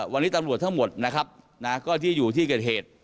วันนี้ตำรวจทั้งหมดที่อยู่ที่เกิดเหตุ